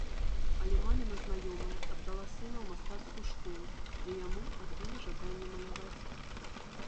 Але маміна знаёмая аддала сына ў мастацкую школу, дзе яму адбілі жаданне маляваць.